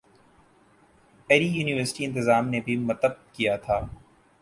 اری یونیورسٹی انتظام نے بھی متب کیا تھا